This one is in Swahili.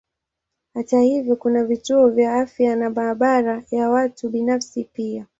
Hata hivyo kuna vituo vya afya na maabara ya watu binafsi pia.